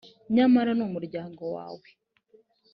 nyamara ni umuryango wawe,